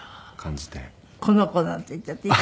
この子なんて言っちゃって。